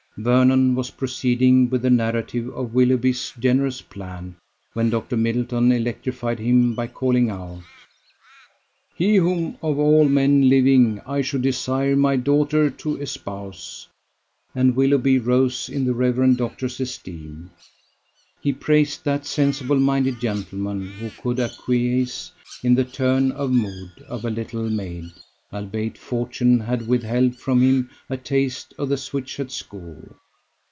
Vernon was proceeding with the narrative of Willoughby's generous plan when Dr. Middleton electrified him by calling out: "He whom of all men living I should desire my daughter to espouse!" and Willoughby rose in the Rev. Doctor's esteem: he praised that sensibly minded gentleman, who could acquiesce in the turn of mood of a little maid, albeit Fortune had withheld from him a taste of the switch at school.